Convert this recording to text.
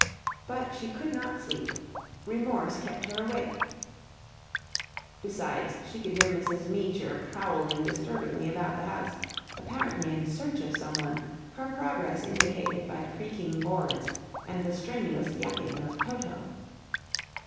But she could not sleep. Remorse kept her awake. Besides, she could hear Mrs. Meecher prowling disturbingly about the house, apparently in search of someone, her progress indicated by creaking boards and the strenuous yapping of Toto.